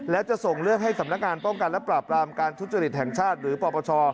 และจะส่งเรื่องให้สำนักงานป้องกันและปราบรามการทุจริตแห่งชาติหรือปปช